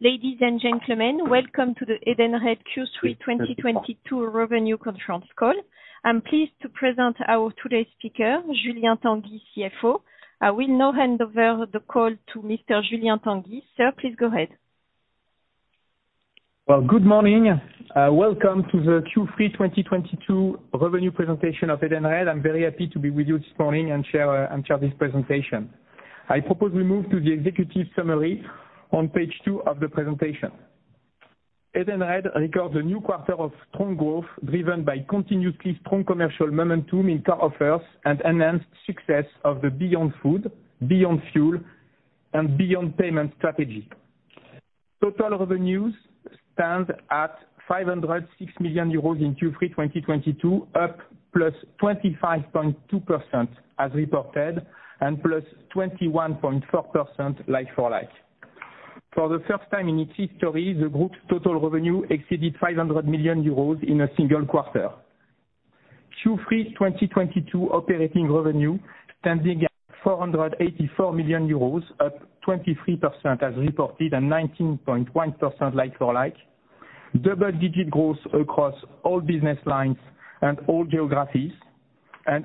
Ladies and gentlemen, welcome to the Edenred Q3 2022 Revenue Conference Call. I'm pleased to present our speaker today, Julien Tanguy, CFO. I will now hand over the call to Mr. Julien Tanguy. Sir, please go ahead. Well, good morning. Welcome to the Q3 2022 revenue presentation of Edenred. I'm very happy to be with you this morning and share this presentation. I propose we move to the executive summary on page two of the presentation. Edenred records a new quarter of strong growth driven by continuously strong commercial momentum in card offers and enhanced success of the Beyond Food, Beyond Fuel, and Beyond Payment strategy. Total revenues stand at 506 million euros in Q3 2022, up +25.2% as reported and +21.4% like-for-like. For the first time in its history, the group's total revenue exceeded 500 million euros in a single quarter. Q3 2022 operating revenue standing at 484 million euros, up 23% as reported, and 19.1% like-for-like. Double-digit growth across all business lines and all geographies.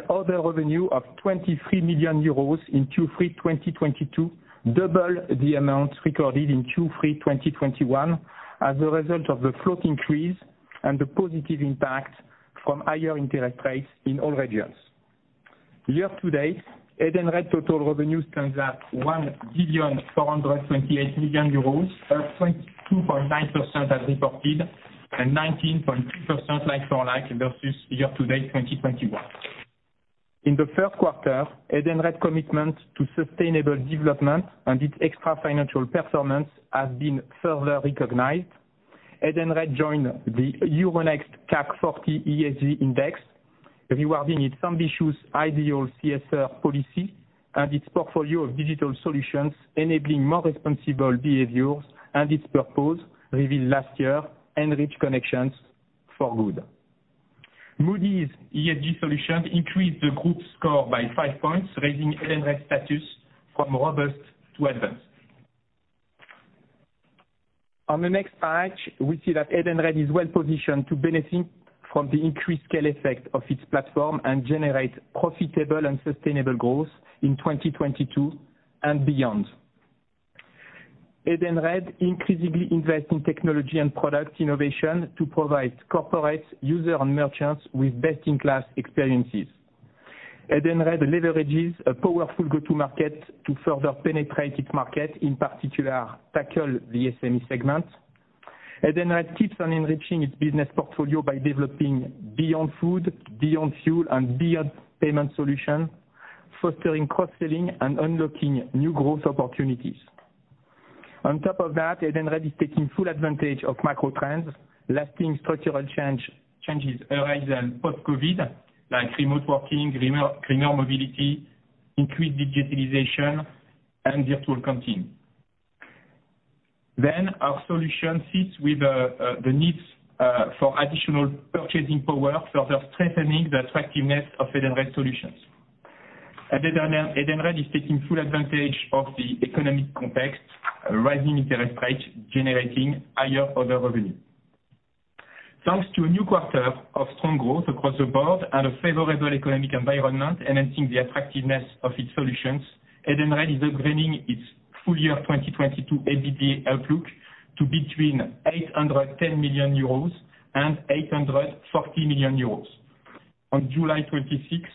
Other revenue of 23 million euros in Q3 2022, double the amount recorded in Q3 2021 as a result of the float increase and the positive impact from higher interest rates in all regions. Year to date, Edenred total revenues stands at 1.428 billion, up 22.9% as reported and 19.2% like-for-like versus year to date 2021. In the Q1, Edenred commitment to sustainable development and its extra-financial performance has been further recognized. Edenred joined the Euronext CAC 40 ESG Index, rewarding its ambitious Ideal CSR policy and its portfolio of digital solutions enabling more responsible behaviors and its purpose revealed last year, enrich connections for good. Moody's ESG Solutions increased the group's score by five points, raising Edenred's status from robust to advanced. On the next page, we see that Edenred is well-positioned to benefit from the increased scale effect of its platform and generate profitable and sustainable growth in 2022 and beyond. Edenred increasingly invests in technology and product innovation to provide corporates, users, and merchants with best-in-class experiences. Edenred leverages a powerful go-to market to further penetrate its market, in particular, tackle the SME segment. Edenred keeps on enriching its business portfolio by developing Beyond Food, Beyond Fuel, and Beyond Payment solutions, fostering cross-selling and unlocking new growth opportunities. On top of that, Edenred is taking full advantage of macro trends, lasting structural changes arising post-COVID, like remote working, greener mobility, increased digitalization, and virtual continuity. Our solution fits with the needs for additional purchasing power, further strengthening the attractiveness of Edenred solutions. Edenred is taking full advantage of the economic context, rising interest rates, generating higher other revenue. Thanks to a new quarter of strong growth across the board and a favorable economic environment enhancing the attractiveness of its solutions, Edenred is upgrading its full year 2022 EBITDA outlook to between 810 million euros and 840 million euros. On July 26th,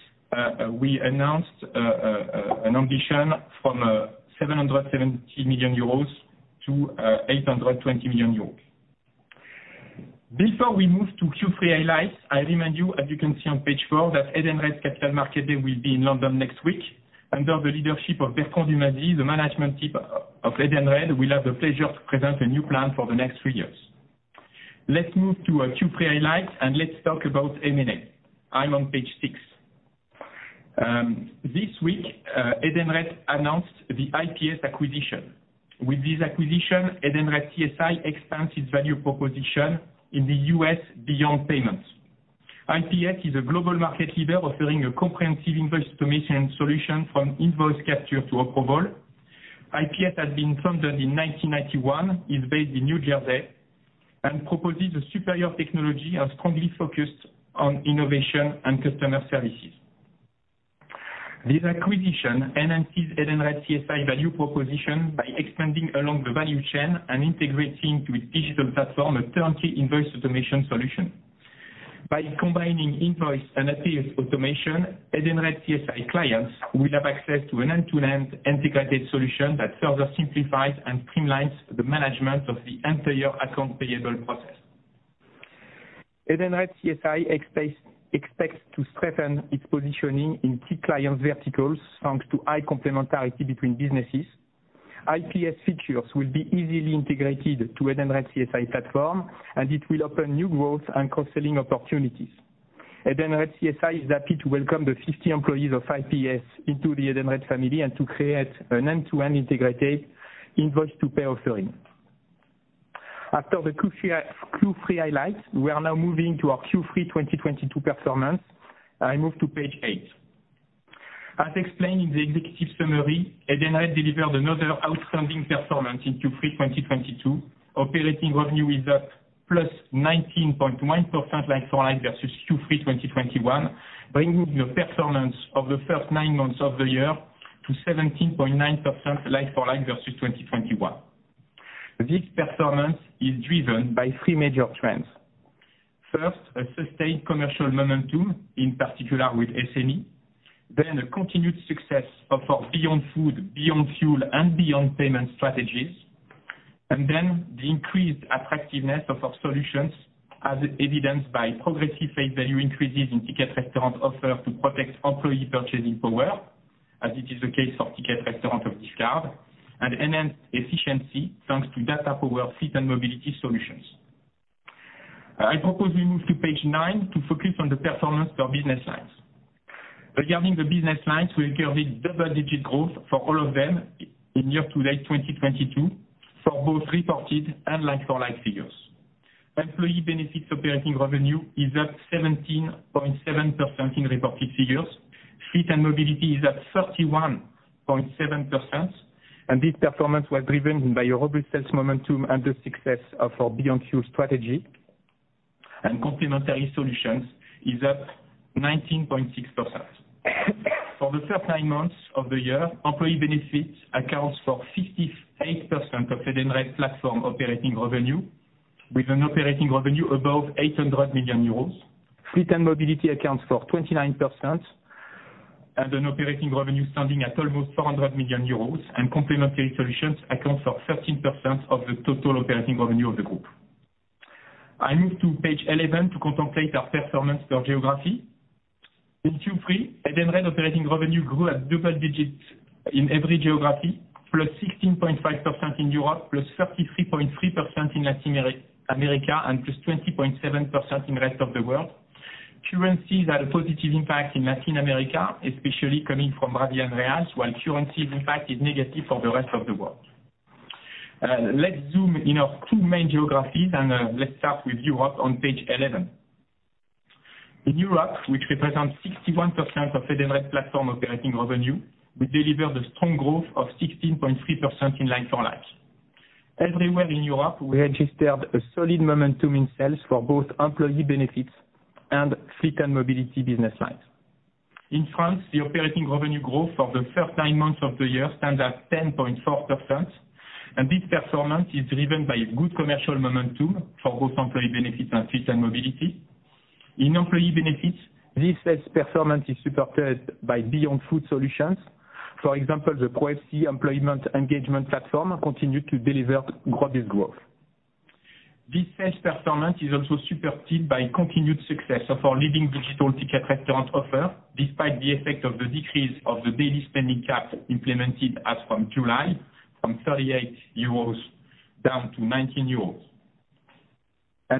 we announced an ambition from 770 million euros to 820 million euros. Before we move to Q3 highlights, I remind you, as you can see on page four, that Edenred's Capital Market Day will be in London next week under the leadership of Bertrand Dumazy, the management team of Edenred will have the pleasure to present a new plan for the next three years. Let's move to our Q3 highlights, and let's talk about M&A. I'm on page six. This week, Edenred announced the IPS acquisition. With this acquisition, Edenred CSI expands its value proposition in the U.S. beyond payments. IPS is a global market leader offering a comprehensive invoice submission solution from invoice capture to approval. IPS had been founded in 1991, is based in New Jersey, and proposes a superior technology and strongly focused on innovation and customer services. This acquisition enhances Edenred CSI value proposition by expanding along the value chain and integrating with digital platform a turnkey invoice automation solution. By combining invoice and APS automation, Edenred CSI clients will have access to an end-to-end integrated solution that further simplifies and streamlines the management of the entire account payable process. Edenred CSI expects to strengthen its positioning in key client verticals, thanks to high complementarity between businesses. IPS features will be easily integrated to Edenred CSI platform, and it will open new growth and cross-selling opportunities. Edenred CSI is happy to welcome the 50 employees of IPS into the Edenred family and to create an end-to-end integrated invoice to pay offering. After the Q3 highlights, we are now moving to our Q3 2022 performance. I move to page eight. As explained in the executive summary, Edenred delivered another outstanding performance in Q3 2022. Operating revenue is at +19.1% like for like versus Q3 2021, bringing the performance of the first nine months of the year to 17.9% like for like versus 2021. This performance is driven by three major trends. First, a sustained commercial momentum, in particular with SME. A continued success of our Beyond Food, Beyond Fuel and Beyond Payment strategies. The increased attractiveness of our solutions as evidenced by progressive face value increases in Ticket Restaurant offer to protect employee purchasing power, as it is the case of Ticket Restaurant and discount, and enhanced efficiency thanks to Data for fleet and mobility solutions. I propose we move to page nine to focus on the performance per business lines. Regarding the business lines, we carried double-digit growth for all of them in year to date 2022 for both reported and like-for-like figures. Employee Benefits operating revenue is at 17.7% in reported figures. Fleet and Mobility is at 31.7%, and this performance was driven by a robust sales momentum and the success of our Beyond Fuel strategy. Complementary Solutions is at 19.6%. For the first 9 months of the year, employee benefits accounts for 58% of Edenred's platform operating revenue with an operating revenue above 800 million euros. Fleet and mobility accounts for 29% and an operating revenue standing at almost 400 million euros. Complementary solutions accounts for 13% of the total operating revenue of the group. I move to page 11 to contemplate our performance per geography. In Q3, Edenred operating revenue grew at double digits in every geography, +16.5% in Europe, +33.3% in Latin America, and +20.7% in rest of the world. Currencies had a positive impact in Latin America, especially coming from real and reais, while currency impact is negative for the rest of the world. Let's zoom in on two main geographies, and let's start with Europe on page 11. In Europe, which represents 61% of Edenred's platform operating revenue, we delivered a strong growth of 16.3% in like for like. Everywhere in Europe, we registered a solid momentum in sales for both employee benefits and fleet and mobility business lines. In France, the operating revenue growth for the first nine months of the year stands at 10.4%, and this performance is driven by a good commercial momentum for both employee benefits and fleet and mobility. In employee benefits, this sales performance is supported by Beyond Food solutions. For example, the Ploëc employment engagement platform continued to deliver robust growth. This sales performance is also supported by continued success of our leading digital Ticket Restaurant offer, despite the effect of the decrease of the daily spending cap implemented as from July, from 38 euros down to 19 euros.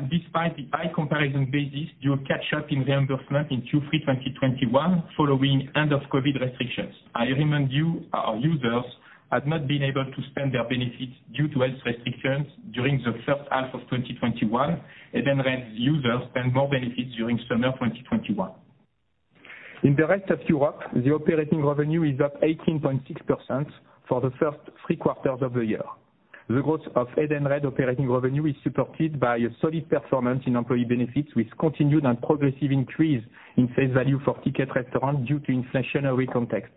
Despite the high comparison basis, the catch-up in reimbursements in Q3 2021 following the end of COVID restrictions. I remind you, our users had not been able to spend their benefits due to health restrictions during the first half of 2021. Edenred's users spent more benefits during summer 2021. In the rest of Europe, the operating revenue is up 18.6% for the first three quarters of the year. The growth of Edenred operating revenue is supported by a solid performance in employee benefits, with continued and progressive increase in face value for Ticket Restaurant due to inflationary context.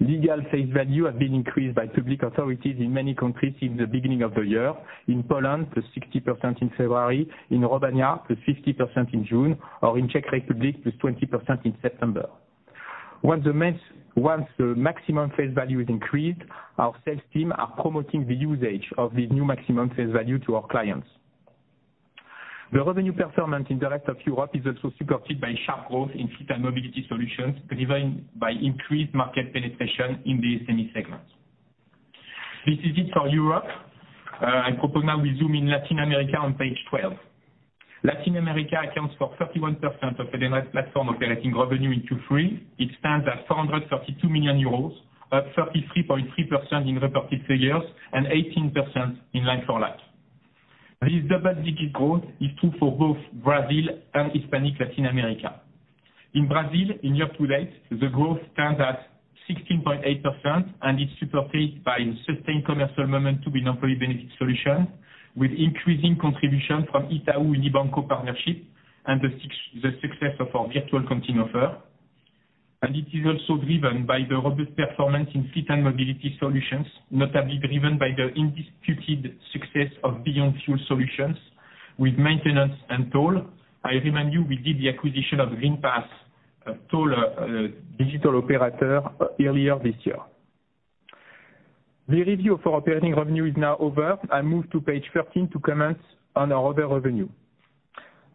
Legal face value have been increased by public authorities in many countries in the beginning of the year. In Poland, +60% in February. In Romania, +50% in June, or in Czech Republic, +20% in September. Once the maximum face value is increased, our sales team are promoting the usage of the new maximum face value to our clients. The revenue performance in the rest of Europe is also supported by sharp growth in fleet and mobility solutions, driven by increased market penetration in the SME segment. This is it for Europe. I propose now we zoom in Latin America on page 12. Latin America accounts for 31% of Edenred's platform operating revenue in Q3. It stands at 432 million euros, at 33.3% in reported figures and 18% in like-for-like. This double digit growth is true for both Brazil and Hispanic Latin America. In Brazil, in year to date, the growth stands at 16.8% and is supported by sustained commercial momentum in employee benefit solutions, with increasing contribution from Itaú Unibanco partnership and the success of our virtual canteen offer. It is also driven by the robust performance in fleet and mobility solutions, notably driven by the undisputed success of Beyond Fuel solutions with maintenance and toll. I remind you, we did the acquisition of Greenpass, a toll, digital operator earlier this year. The review for operating revenue is now over. I move to page 13 to comment on our other revenue.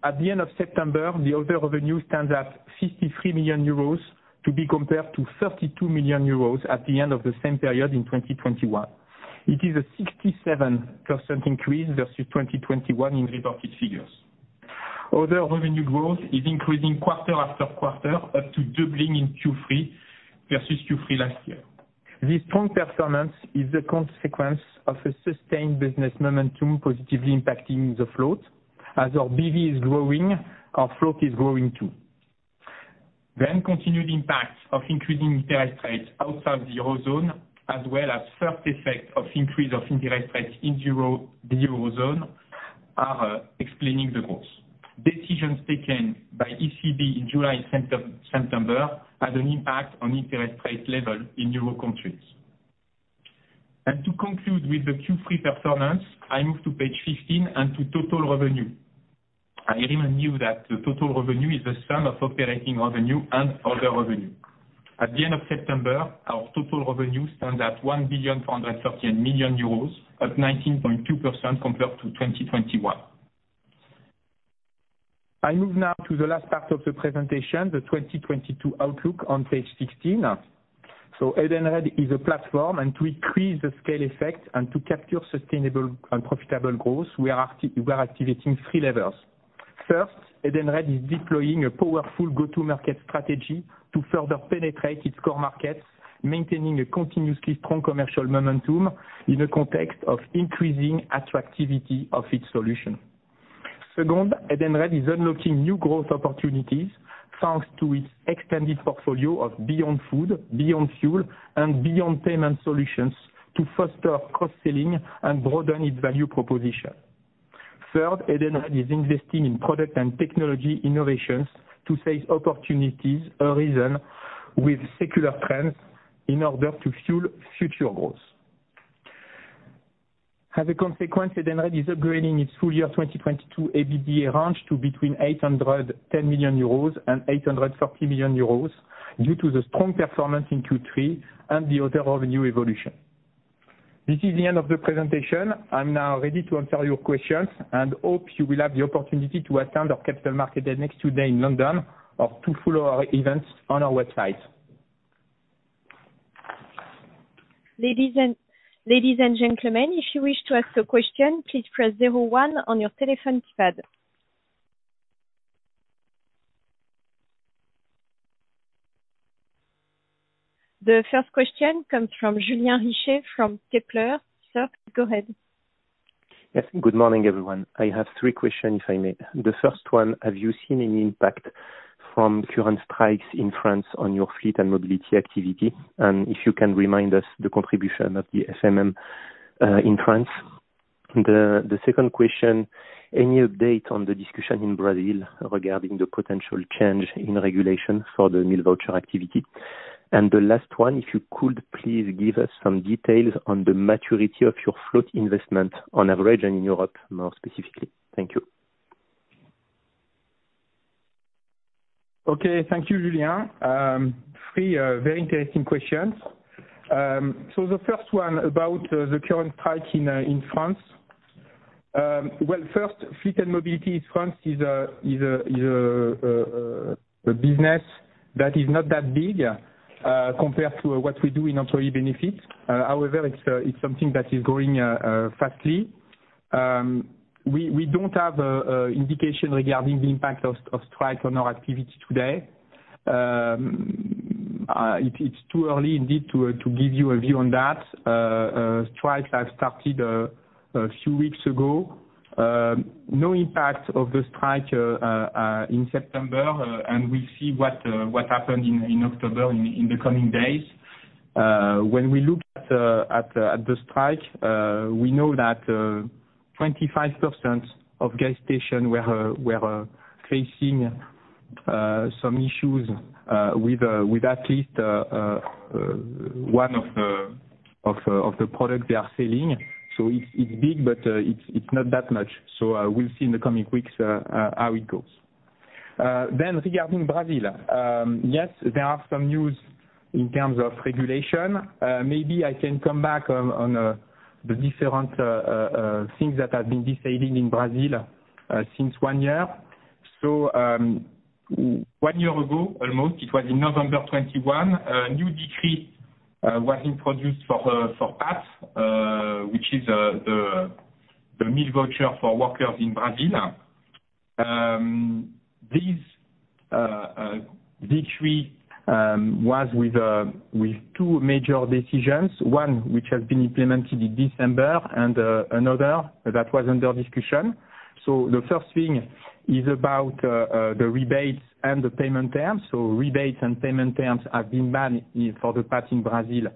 At the end of September, the other revenue stands at 53 million euros to be compared to 32 million euros at the end of the same period in 2021. It is a 67% increase versus 2021 in reported figures. Other revenue growth is increasing quarter after quarter, up to doubling in Q3 versus Q3 last year. This strong performance is the consequence of a sustained business momentum positively impacting the float. As our BV is growing, our float is growing too. Continued impact of increasing interest rates outside the Eurozone, as well as first effect of increase of interest rates in the Eurozone are explaining this growth. Decisions taken by ECB in July, September has an impact on interest rate level in Euro countries. To conclude with the Q3 performance, I move to page 15 and to total revenue. I remind you that the total revenue is the sum of operating revenue and other revenue. At the end of September, our total revenue stands at 1,138 million euros, at 19.2% compared to 2021. I move now to the last part of the presentation, the 2022 outlook on page 16. Edenred is a platform, and to increase the scale effect and to capture sustainable and profitable growth, we are activating three levers. First, Edenred is deploying a powerful go-to-market strategy to further penetrate its core markets, maintaining a continuously strong commercial momentum in the context of increasing attractivity of its solution. Second, Edenred is unlocking new growth opportunities, thanks to its extended portfolio of Beyond Food, Beyond Fuel, and Beyond Payment solutions to foster cross-selling and broaden its value proposition. Third, Edenred is investing in product and technology innovations to seize opportunities arisen with secular trends in order to fuel future growth. As a consequence, Edenred is upgrading its full year 2022 EBITDA range to between 810 million euros and 830 million euros, due to the strong performance in Q3 and the other revenue evolution. This is the end of the presentation. I'm now ready to answer your questions, and hope you will have the opportunity to attend our Capital Market Day the next two days in London or to follow our events on our website. Ladies and gentlemen, if you wish to ask a question, please press zero one on your telephone keypad. The first question comes from Julien Richer from Kepler Cheuvreux. Sir, go ahead. Yes, good morning, everyone. I have three questions, if I may. The first one, have you seen any impact from current strikes in France on your fleet and mobility activity? And if you can remind us the contribution of the SME in France. The second question, any update on the discussion in Brazil regarding the potential change in regulation for the meal voucher activity? And the last one, if you could please give us some details on the maturity of your float investment on average and in Europe more specifically. Thank you. Okay. Thank you, Julien. Three very interesting questions. The first one about the current strike in France. Well, first, fleet and mobility in France is a business that is not that big compared to what we do in employee benefits. However, it's something that is growing fast. We don't have an indication regarding the impact of strike on our activity today. It's too early indeed to give you a view on that. Strike has started a few weeks ago. No impact of the strike in September, and we see what happened in October in the coming days. When we look at the strike, we know that 25% of gas stations were facing some issues with at least one of the products they are selling. It's big, but it's not that much. We'll see in the coming weeks how it goes. Regarding Brazil. Yes, there are some news in terms of regulation. Maybe I can come back on the different things that have been decided in Brazil since one year. One year ago, almost, it was in November 2021, a new decree was introduced for PAT, which is the meal voucher for workers in Brazil. This decree was with two major decisions. One, which has been implemented in December, and another that was under discussion. The first thing is about the rebates and the payment terms. Rebates and payment terms have been banned for the PAT in Brazil,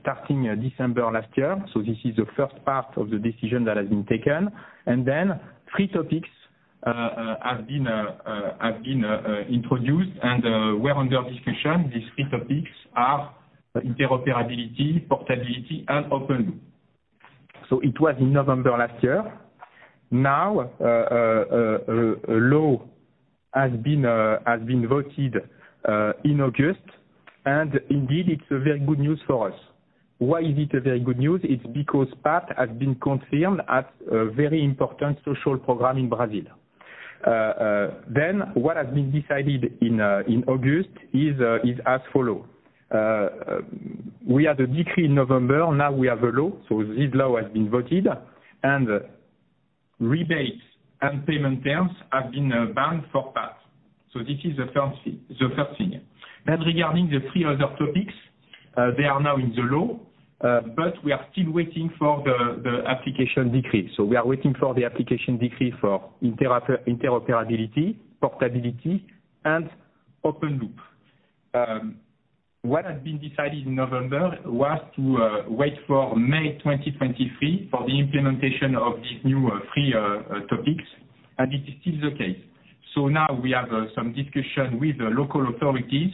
starting December last year. This is the first part of the decision that has been taken. Then three topics have been introduced and were under discussion. These three topics are interoperability, portability, and open loop. It was in November last year. Now, a law has been voted in August, and indeed it's a very good news for us. Why is it a very good news? It's because PAT has been confirmed as a very important social program in Brazil. What has been decided in August is as follows. We had a decree in November, now we have a law. This law has been voted. Rebates and payment terms have been banned for that. This is the first thing. Regarding the three other topics, they are now in the law, but we are still waiting for the application decree. We are waiting for the application decree for interoperability, portability, and open loop. What has been decided in November was to wait for May 2023 for the implementation of these new three topics, and it is still the case. Now we have some discussion with the local authorities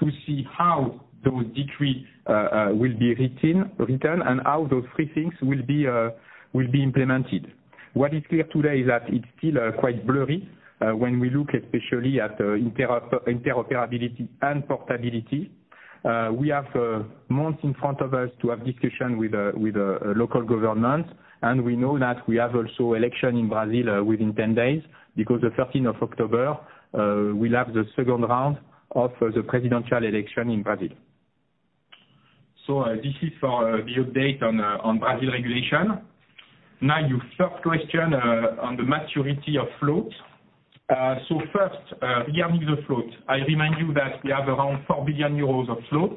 to see how those decrees will be written, and how those three things will be implemented. What is clear today is that it's still quite blurry when we look especially at interoperability and portability. We have months in front of us to have discussions with local government, and we know that we have also elections in Brazil within 10 days, because the thirteenth of October we'll have the second round of the presidential election in Brazil. This is for the update on Brazil regulation. Now, your first question on the maturity of float. First, regarding the float, I remind you that we have around 4 billion euros of float.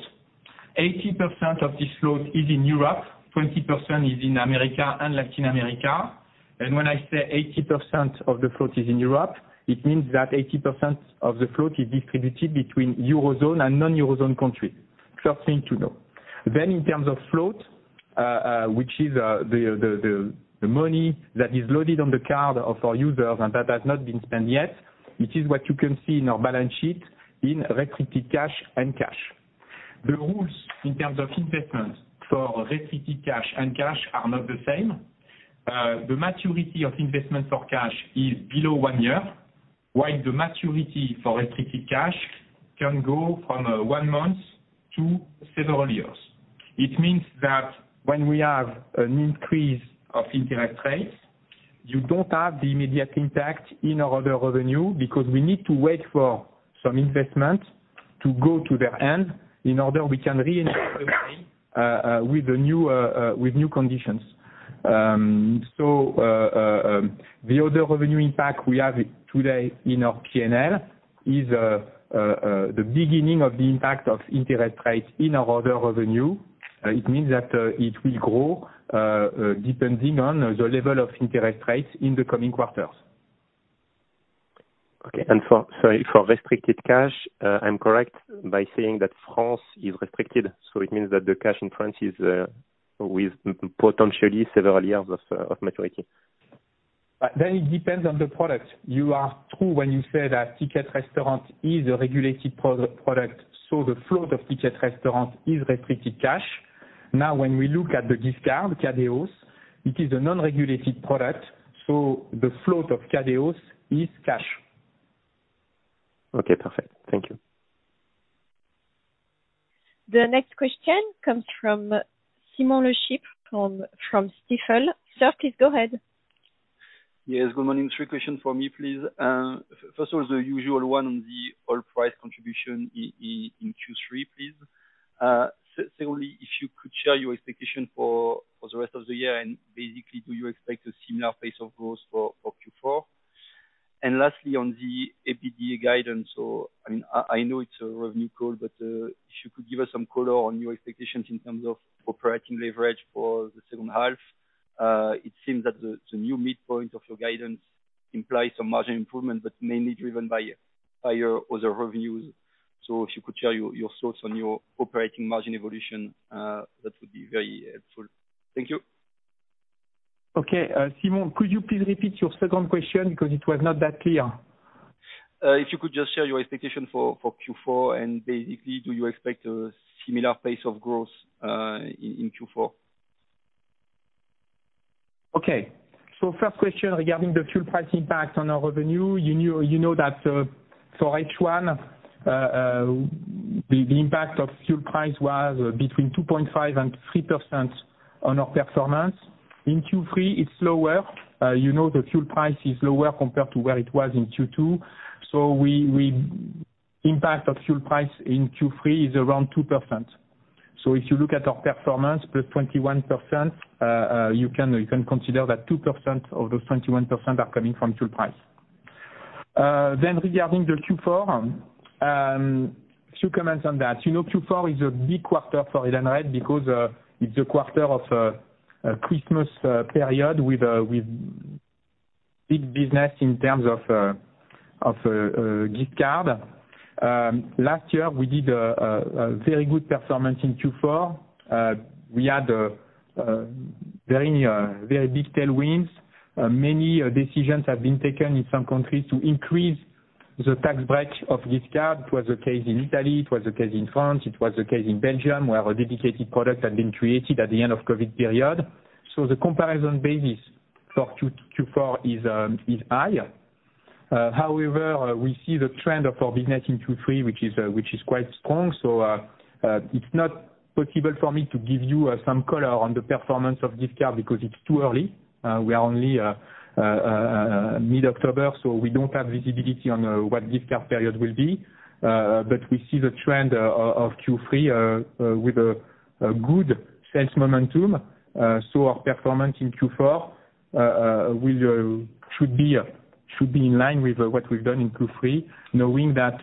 80% of this float is in Europe, 20% is in America and Latin America. When I say 80% of the float is in Europe, it means that 80% of the float is distributed between Eurozone and non-Eurozone countries. First thing to know. In terms of float, which is the money that is loaded on the card of our users and that has not been spent yet, it is what you can see in our balance sheet in restricted cash and cash. The rules in terms of investment for restricted cash and cash are not the same. The maturity of investment for cash is below one year, while the maturity for restricted cash can go from one month to several years. It means that when we have an increase of interest rates, you don't have the immediate impact in our other revenue, because we need to wait for some investment to go to their end in order we can reinforce with new conditions. The other revenue impact we have today in our P&L is the beginning of the impact of interest rates in our other revenue. It means that it will grow depending on the level of interest rates in the coming quarters. Okay. Sorry, for restricted cash, I'm correct by saying that France is restricted, so it means that the cash in France is with potentially several years of maturity? It depends on the product. You are right when you say that Ticket Restaurant is a regulated product, so the flow of Ticket Restaurant is restricted cash. Now, when we look at the gift card, Kadeos, it is a non-regulated product, so the float of Kadeos is cash. Okay. Perfect. Thank you. The next question comes from Simon Lechip from Stifel. Sir, please go ahead. Yes, good morning. Three questions from me, please. First of all, the usual one on the oil price contribution in Q3, please. Secondly, if you could share your expectation for the rest of the year, and basically do you expect a similar pace of growth for Q4? Lastly, on the APD guidance, I mean, I know it's a revenue call, but if you could give us some color on your expectations in terms of operating leverage for the second half. It seems that the new midpoint of your guidance implies some margin improvement, but mainly driven by your other revenues. If you could share your thoughts on your operating margin evolution, that would be very helpful. Thank you. Okay. Simon, could you please repeat your second question because it was not that clear. If you could just share your expectation for Q4, and basically do you expect a similar pace of growth in Q4? Okay. First question regarding the fuel price impact on our revenue, you know that, for H1, the impact of fuel price was between 2.5% and 3% on our performance. In Q3 it's lower. You know the fuel price is lower compared to where it was in Q2. Impact of fuel price in Q3 is around 2%. If you look at our performance, +21%, you can consider that 2% of those 21% are coming from fuel price. Regarding Q4, a few comments on that. You know Q4 is a big quarter for Edenred because it's a quarter of Christmas period with big business in terms of gift card. Last year we did a very good performance in Q4. We had very big tailwinds. Many decisions have been taken in some countries to increase the tax break of gift card. It was the case in Italy, it was the case in France, it was the case in Belgium, where our dedicated product had been created at the end of COVID period. The comparison basis for Q4 is higher. However, we see the trend of our business in Q3, which is quite strong. It's not possible for me to give you some color on the performance of gift card because it's too early. We are only mid-October, so we don't have visibility on what gift card period will be. We see the trend of Q3 with a good sales momentum. Our performance in Q4 should be in line with what we've done in Q3, knowing that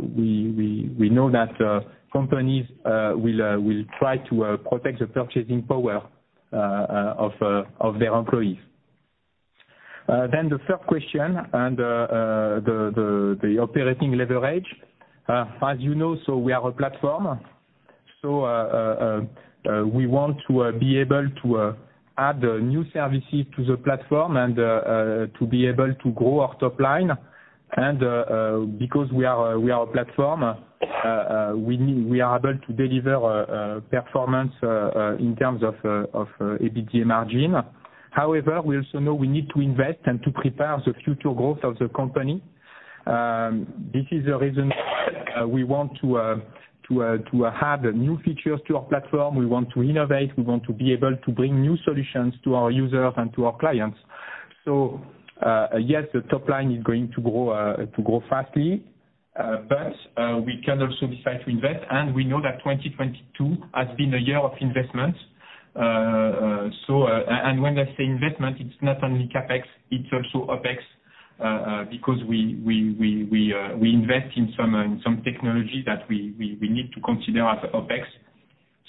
we know that companies will try to protect the purchasing power of their employees. The third question and the operating leverage, as you know, so we are a platform. We want to be able to add the new services to the platform and to be able to grow our top line. Because we are a platform, we are able to deliver performance in terms of EBITDA margin. However, we also know we need to invest and to prepare the future growth of the company. This is the reason we want to have new features to our platform. We want to innovate. We want to be able to bring new solutions to our users and to our clients. Yes, the top line is going to grow fastly. We can also decide to invest. We know that 2022 has been a year of investment. When I say investment, it's not only CapEx, it's also OpEx, because we invest in some technology that we need to consider as OpEx.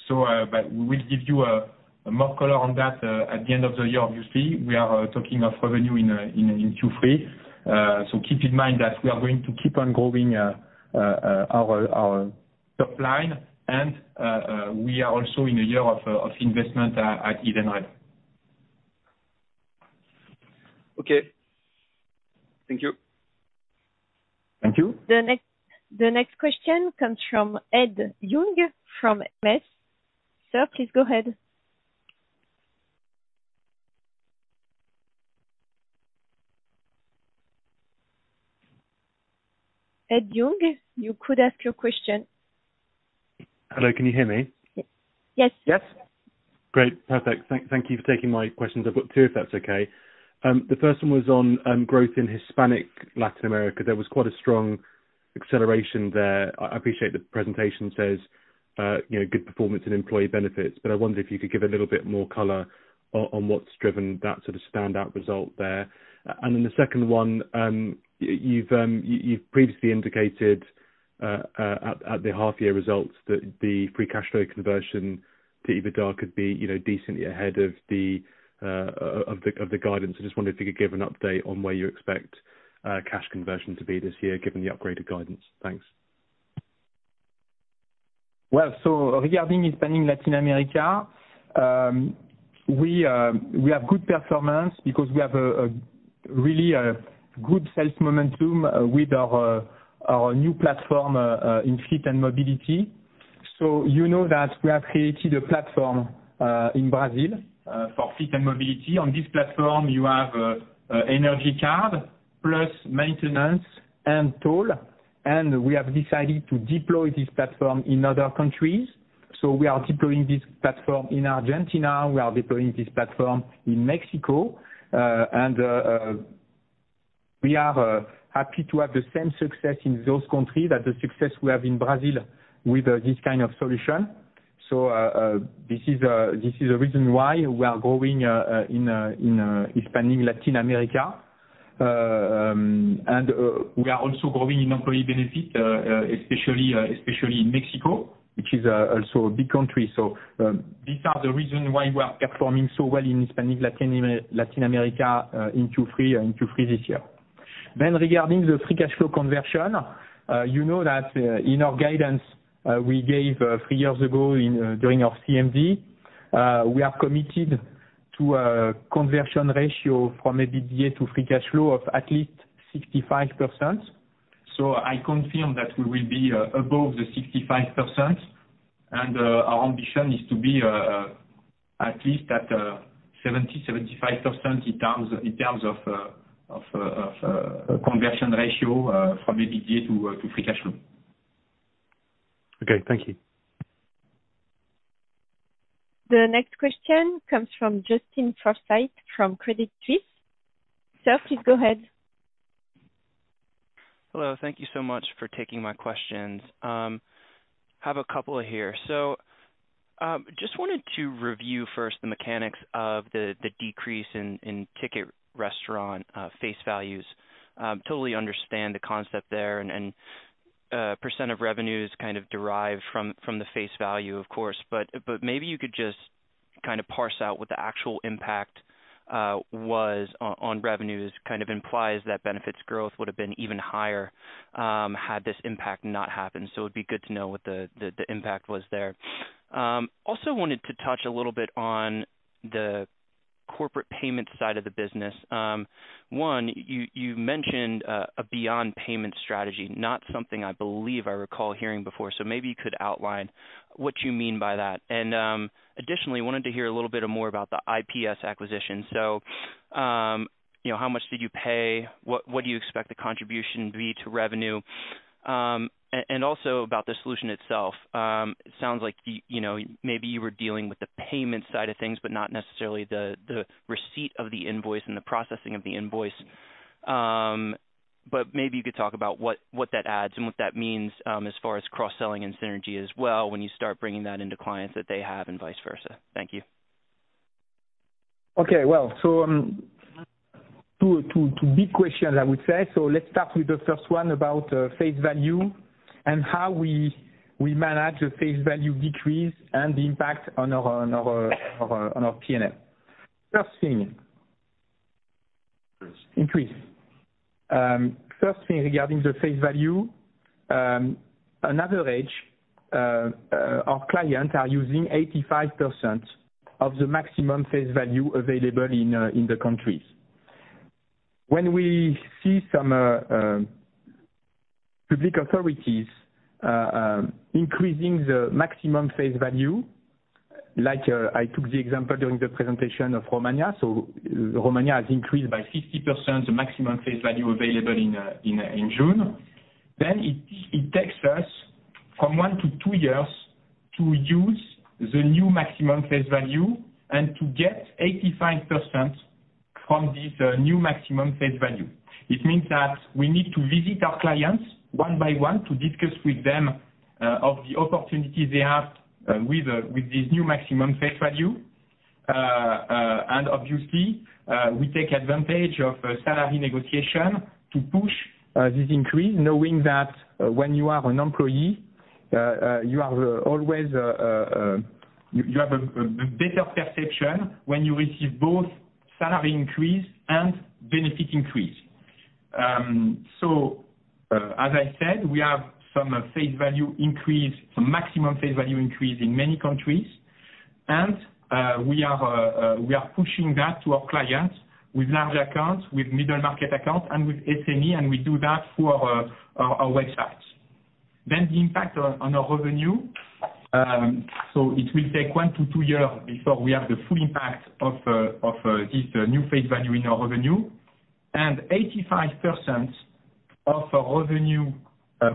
We will give you more color on that at the end of the year, obviously. We are talking of revenue in Q3. Keep in mind that we are going to keep on growing our top line. We are also in a year of investment at Edenred. Okay. Thank you. Thank you. The next question comes from Ed Young from MS. Sir, please go ahead. Ed Young, you could ask your question. Hello, can you hear me? Yes. Yes. Great. Perfect. Thank you for taking my questions. I've got two, if that's okay. The first one was on growth in Hispanic Latin America. There was quite a strong acceleration there. I appreciate the presentation says, you know, good performance in employee benefits, but I wonder if you could give a little bit more color on what's driven that sort of standout result there. Then the second one, you've previously indicated at the half-year results that the free cash flow conversion to EBITDA could be, you know, decently ahead of the guidance. I just wondered if you could give an update on where you expect cash conversion to be this year given the upgraded guidance. Thanks. Well, regarding Hispanic Latin America, we have good performance because we have a really good sales momentum with our new platform in fleet and mobility. You know that we have created a platform in Brazil for fleet and mobility. On this platform, you have an energy card plus maintenance and toll, and we have decided to deploy this platform in other countries. We are deploying this platform in Argentina. We are deploying this platform in Mexico. We are happy to have the same success in those countries that the success we have in Brazil with this kind of solution. This is the reason why we are growing in Hispanic Latin America. We are also growing in employee benefit, especially in Mexico, which is also a big country. These are the reason why we are performing so well in Latin America in Q3 this year. Regarding the free cash flow conversion, you know that in our guidance we gave three years ago during our CMD, we are committed to a conversion ratio from EBITDA to free cash flow of at least 65%. I confirm that we will be above the 65%. Our ambition is to be at least at 70-75% in terms of conversion ratio from EBITDA to free cash flow. Okay. Thank you. The next question comes from Justin Forsythe, from Credit Suisse. Sir, please go ahead. Hello. Thank you so much for taking my questions. Have a couple here. Just wanted to review first the mechanics of the decrease in Ticket Restaurant face values. Totally understand the concept there and percent of revenues kind of derived from the face value, of course, but maybe you could just kinda parse out what the actual impact was on revenues, kind of implies that benefits growth would have been even higher had this impact not happened. It'd be good to know what the impact was there. Also wanted to touch a little bit on the corporate payment side of the business. You mentioned a Beyond Payment strategy, not something I believe I recall hearing before, so maybe you could outline what you mean by that. Additionally, wanted to hear a little bit more about the IPS acquisition. You know, how much did you pay? What do you expect the contribution be to revenue? And also about the solution itself. It sounds like you know, maybe you were dealing with the payment side of things, but not necessarily the receipt of the invoice and the processing of the invoice. But maybe you could talk about what that adds and what that means, as far as cross-selling and synergy as well when you start bringing that into clients that they have and vice versa. Thank you. Okay. Well, two big questions I would say. Let's start with the first one about face value and how we manage the face value decrease and the impact on our P&L. First thing. Increase. Increase. First thing regarding the face value, on average, our clients are using 85% of the maximum face value available in the countries. When we see some public authorities increasing the maximum face value, like, I took the example during the presentation of Romania, so Romania has increased by 50% the maximum face value available in June. It takes us from one-two years to use the new maximum face value and to get 85% from this new maximum face value. It means that we need to visit our clients one by one to discuss with them of the opportunity they have with this new maximum face value. Obviously, we take advantage of salary negotiation to push this increase knowing that when you are an employee, you are always, you have a better perception when you receive both salary increase and benefit increase. As I said, we have some face value increase, some maximum face value increase in many countries, and we are pushing that to our clients with large accounts, with middle market accounts, and with SME, and we do that through our websites. The impact on our revenue. It will take one-two years before we have the full impact of this new face value in our revenue. 85% of our revenue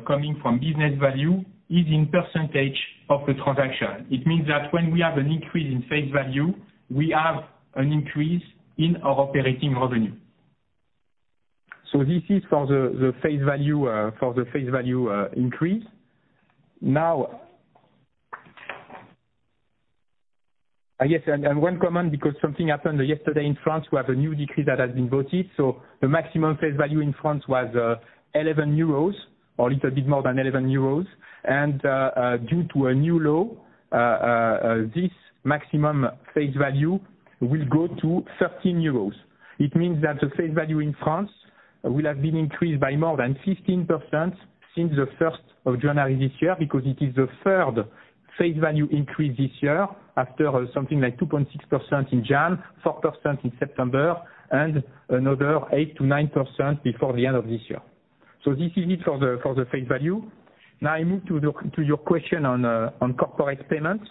coming from business volume is a percentage of the transaction. It means that when we have an increase in face value, we have an increase in our operating revenue. This is for the face value increase. I guess one comment because something happened yesterday in France. We have a new decree that has been voted. The maximum face value in France was 11 euros or a little bit more than 11 euros. Due to a new law, this maximum face value will go to 13 euros. It means that the face value in France will have been increased by more than 15% since the first of January this year, because it is the third face value increase this year after something like 2.6% in January, 4% in September, and another 8%-9% before the end of this year. This is it for the face value. Now, I move to your question on corporate payments.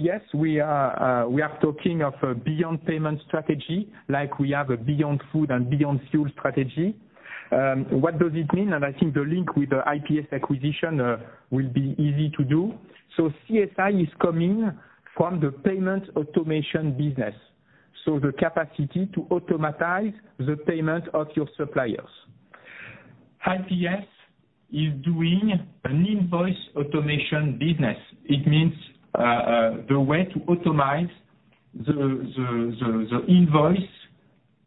Yes, we are talking of a Beyond Payment strategy, like we have a Beyond Food and Beyond Fuel strategy. What does it mean? I think the link with the IPS acquisition will be easy to do. CSI is coming from the payment automation business, so the capacity to automate the payment of your suppliers. IPS is doing an invoice automation business. It means the way to automate the invoice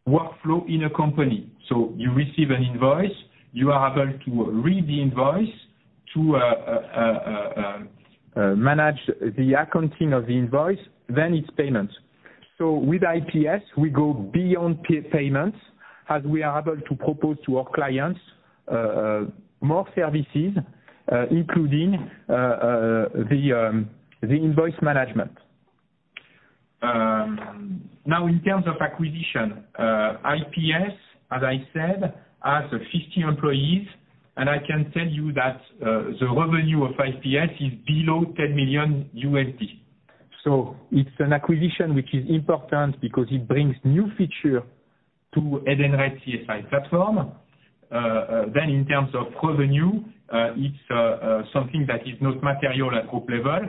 workflow in a company. You receive an invoice, you are able to read the invoice to manage the accounting of the invoice, then it's payment. With IPS, we go beyond payments as we are able to propose to our clients more services, including the invoice management. Now in terms of acquisition, IPS, as I said, has 50 employees, and I can tell you that the revenue of IPS is below $10 million. It's an acquisition which is important because it brings new feature to Edenred CSI platform. In terms of revenue, it's something that is not material at group level,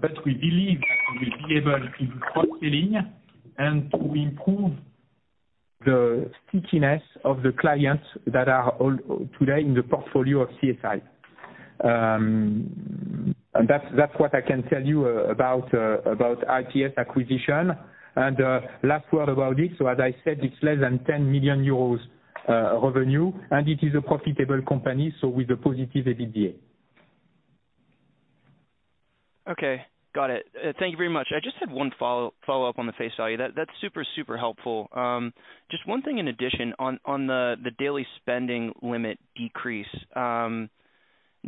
but we believe that we'll be able to do cross-selling and to improve the stickiness of the clients that are all today in the portfolio of CSI. That's what I can tell you about IPS acquisition. Last word about this, as I said, it's less than $10 million revenue, and it is a profitable company with a positive EBITDA. Okay. Got it. Thank you very much. I just have one follow-up on the face value. That's super helpful. Just one thing in addition on the daily spending limit decrease. Do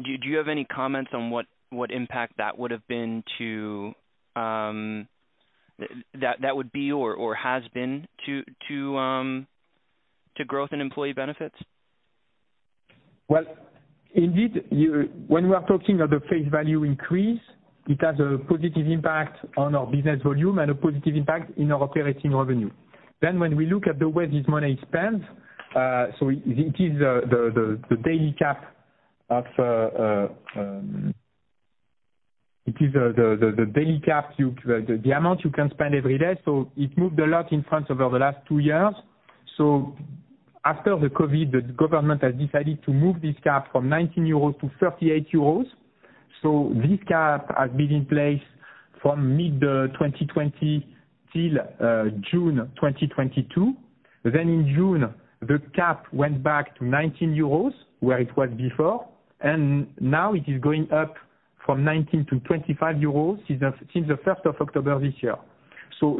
you have any comments on what impact that would have been to that would be or has been to growth in employee benefits? Well, indeed, when we are talking of the face value increase, it has a positive impact on our business volume and a positive impact in our operating revenue. When we look at the way this money is spent, it is the daily cap, the amount you can spend every day. It moved a lot in France over the last two years. After the COVID, the government has decided to move this cap from 19 euros to 38 euros. This cap has been in place from mid-2020 till June 2022. In June, the cap went back to 19 euros, where it was before, and now it is going up from 19 EUR to 25 euros since the first of October this year.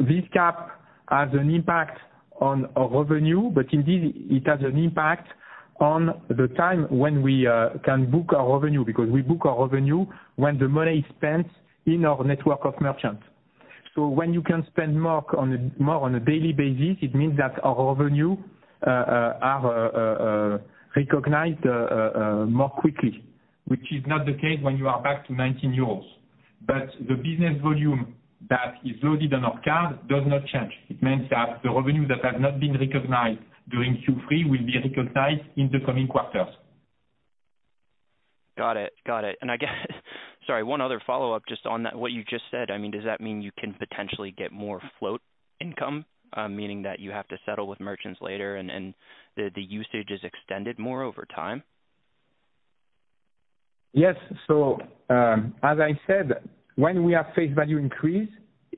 This cap has an impact on our revenue, but indeed it has an impact on the time when we can book our revenue, because we book our revenue when the money is spent in our network of merchants. When you can spend more on a daily basis, it means that our revenue are recognized more quickly, which is not the case when you are back to 19 euros. The business volume that is loaded on our card does not change. It means that the revenue that has not been recognized during Q3 will be recognized in the coming quarters. Got it. I guess. Sorry, one other follow up just on that, what you just said. I mean, does that mean you can potentially get more float income, meaning that you have to settle with merchants later and the usage is extended more over time? Yes. As I said, when we have face value increase,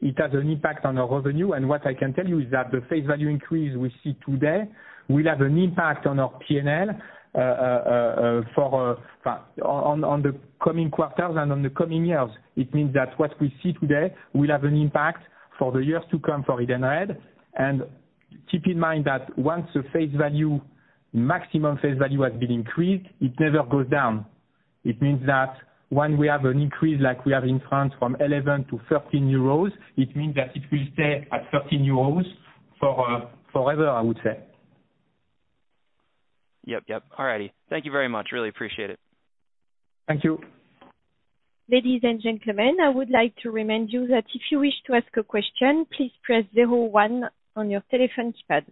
it has an impact on our revenue. What I can tell you is that the face value increase we see today will have an impact on our P&L on the coming quarters and on the coming years. It means that what we see today will have an impact for the years to come for Edenred. Keep in mind that once the face value, maximum face value has been increased, it never goes down. It means that when we have an increase like we have in France from 11 EUR-13 EUR, it means that it will stay at 13 euros for forever, I would say. Yep. All righty. Thank you very much. Really appreciate it. Thank you. Ladies and gentlemen, I would like to remind you that if you wish to ask a question, please press zero one on your telephone keypad.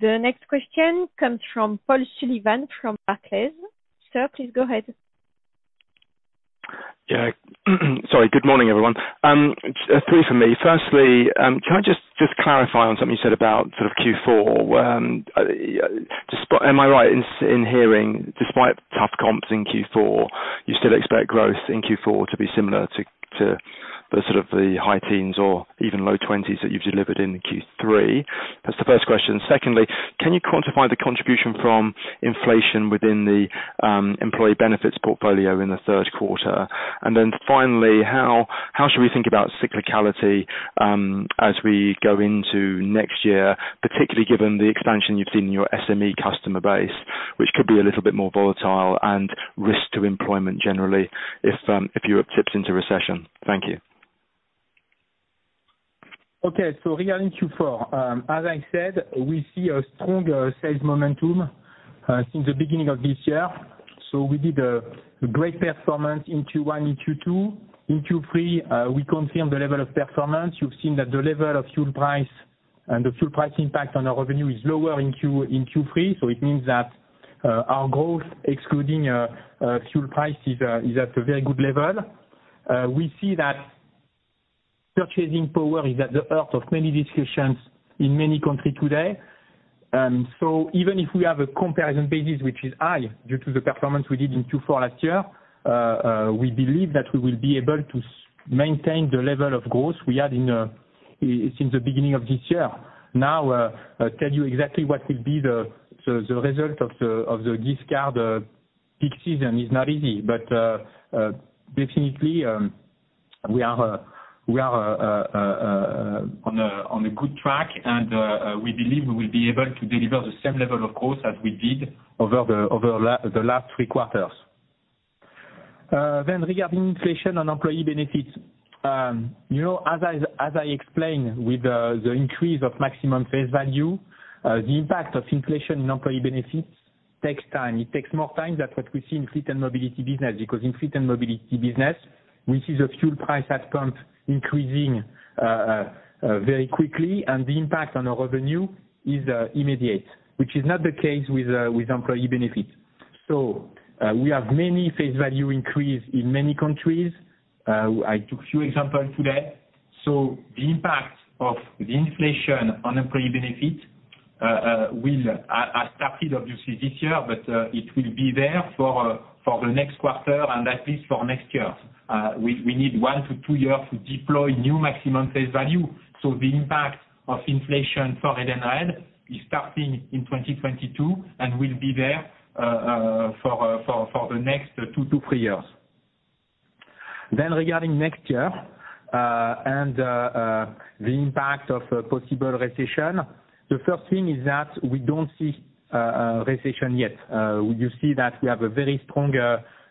The next question comes from Paul Sullivan from Barclays. Sir, please go ahead. Yeah. Sorry, good morning, everyone. Three from me. Firstly, can I just clarify on something you said about Q4. Am I right in hearing despite tough comps in Q4, you still expect growth in Q4 to be similar to the sort of high teens or even low twenties that you've delivered in Q3? That's the first question. Secondly, can you quantify the contribution from inflation within the employee benefits portfolio in the third quarter? Finally, how should we think about cyclicality as we go into next year, particularly given the expansion you've seen in your SME customer base, which could be a little bit more volatile and risk to employment generally if Europe tips into recession? Thank you. Regarding Q4, as I said, we see a strong sales momentum since the beginning of this year. We did a great performance in Q1 and Q2. In Q3, we confirmed the level of performance. You've seen that the level of fuel price and the fuel price impact on our revenue is lower in Q3. It means that our growth excluding fuel price is at a very good level. We see that purchasing power is at the heart of many discussions in many countries today. Even if we have a comparison basis, which is high due to the performance we did in Q4 last year, we believe that we will be able to maintain the level of growth we had since the beginning of this year. I can't tell you exactly what will be the result of the discount. Peak season is not easy, but definitely we are on a good track and we believe we will be able to deliver the same level of growth as we did over the last three quarters. Regarding inflation on employee benefits, you know, as I explained with the increase of maximum face value, the impact of inflation in employee benefits takes time. It takes more time than what we see in Fleet and Mobility business. Because in fleet and mobility business, we see the fuel price at pump increasing very quickly, and the impact on our revenue is immediate, which is not the case with employee benefits. We have many face value increase in many countries. I took few examples today. The impact of the inflation on employee benefits will start obviously this year, but it will be there for the next quarter and at least for next year. We need 1-2 years to deploy new maximum face value. The impact of inflation for Edenred is starting in 2022 and will be there for the next 2-3 years. Regarding next year, the impact of a possible recession, the first thing is that we don't see a recession yet. You see that we have a very strong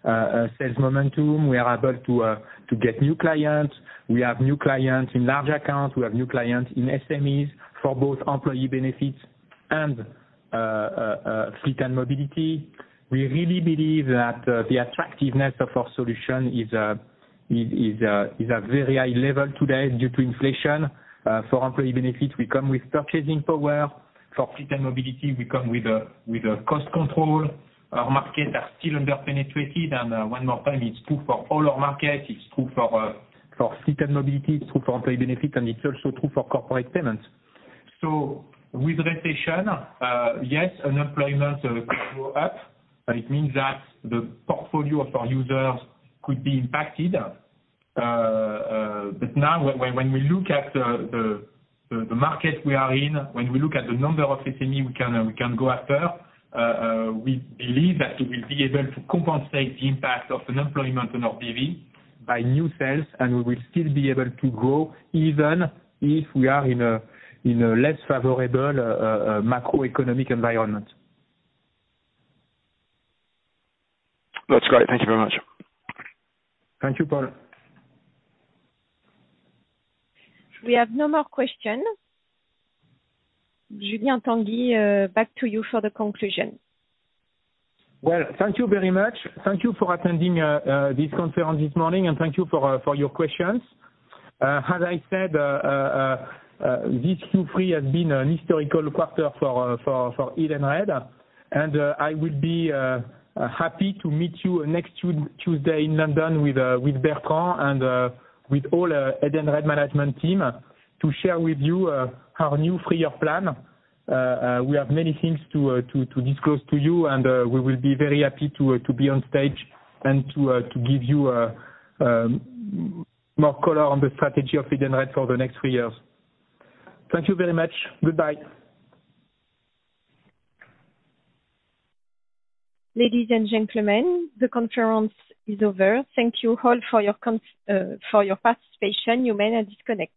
sales momentum. We are able to get new clients. We have new clients in large accounts. We have new clients in SMEs for both employee benefits and fleet and mobility. We really believe that the attractiveness of our solution is a very high level today due to inflation. For employee benefits, we come with purchasing power. For fleet and mobility, we come with cost control. Our markets are still under-penetrated. One more time, it's true for all our markets, it's true for fleet and mobility, it's true for employee benefits, and it's also true for corporate payments. With recession, yes, unemployment could go up. It means that the portfolio of our users could be impacted. But now when we look at the market we are in, when we look at the number of SME we can go after, we believe that we will be able to compensate the impact of unemployment on our BV by new sales, and we will still be able to grow even if we are in a less favorable macroeconomic environment. That's great. Thank you very much. Thank you, Paul. We have no more questions. Julien Tanguy, back to you for the conclusion. Well, thank you very much. Thank you for attending this conference this morning, and thank you for your questions. As I said, this Q3 has been an historical quarter for Edenred. I would be happy to meet you next Tuesday in London with Bertrand and with all Edenred management team to share with you our new three-year plan. We have many things to discuss to you, and we will be very happy to be on stage and to give you more color on the strategy of Edenred for the next three years. Thank you very much. Goodbye. Ladies and gentlemen, the conference is over. Thank you all for your participation. You may now disconnect.